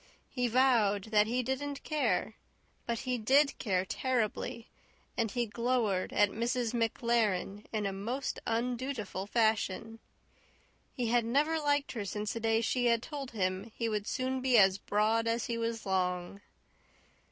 He vowed that he didn't care; but he DID care terribly, and he glowered at Mrs. MacLaren in a most undutiful fashion. He had never liked her since the day she had told him he would soon be as broad as he was long.